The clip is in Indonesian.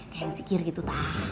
kayak yang sikir gitu ta